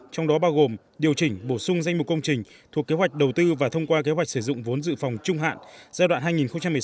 trong đó bao gồm điều chỉnh bổ sung danh mục công trình thuộc kế hoạch đầu tư và thông qua kế hoạch sử dụng vốn dự phòng trung hạn giai đoạn hai nghìn một mươi sáu hai nghìn hai mươi